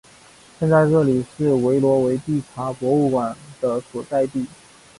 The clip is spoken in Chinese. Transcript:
现在这里是维罗维蒂察博物馆的所在地。